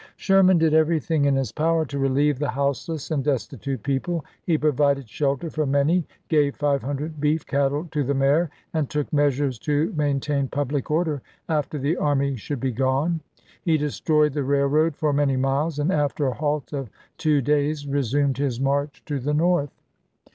1 Sherman did everything in his power to relieve the houseless and destitute people; he provided shelter for many, gave five hundred beef cattle to the mayor, and took measures to maintain public order after the army should be gone. He destroyed the railroad for many miles, and, after a halt of two days, resumed his march to the North.